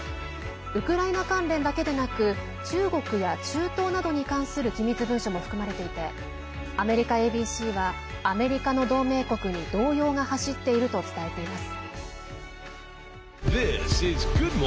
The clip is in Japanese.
ウクライナ関連だけでなく中国や中東などに関する機密文書も含まれていてアメリカＡＢＣはアメリカの同盟国に動揺が走っていると伝えています。